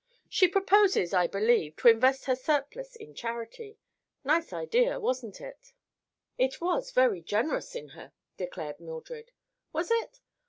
She proposes, I believe, to invest her surplus in charity. Nice idea, wasn't it?" "It was very generous in her," declared Mildred. "Was it?